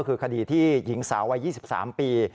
คือคดีที่หญิงสาววัย๒๓ปี